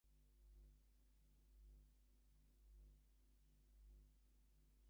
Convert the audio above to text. An exception to the low estimates is found in Why The Solid South?